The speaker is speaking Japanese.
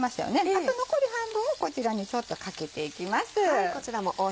あと残り半分をこちらにちょっとかけていきます。